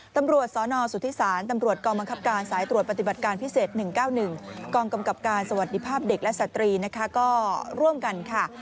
ตำรวจสนสุธิศาลตำรวจกองบังคับการสายตรวจปฏิบัติการพิเศษ๑๙๑กองกำกับการสวัสดีภาพเด็กและสตรีนะคะก็ร่วมกันค่ะ